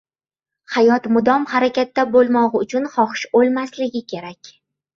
Hayot mudom harakatda bo‘lmog‘i uchun xohish o‘lmasligi kerak.